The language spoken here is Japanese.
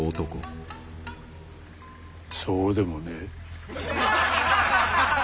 そうでもねえ。